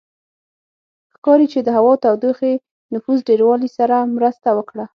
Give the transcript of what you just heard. ښکاري چې د هوا تودوخې نفوس ډېروالي سره مرسته وکړه